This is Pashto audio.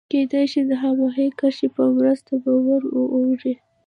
کېدای شي د هماغې کرښې په مرسته به ور اوړو.